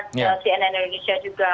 cnn indonesia juga